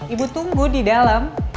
ibu tunggu di dalam